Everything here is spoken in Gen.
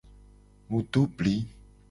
Mu do bli.